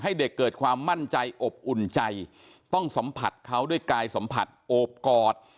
ให้เด็กเกิดความมั่นใจอบอุ่นใจต้องสัมผัสเขาด้วยกายสัมผัสโอบกอด